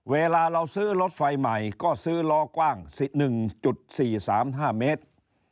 เวลาเราซื้อรถไฟใหม่ก็ซื้อล้อกว้าง๑๔๓๕เมตร